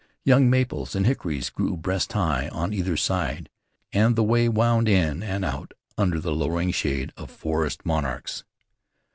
Young maples and hickories grew breast high on either side, and the way wound in and out under the lowering shade of forest monarchs.